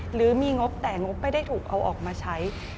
หรือมีงบแต่งบไม่ได้ถูกเอาออกมาใช้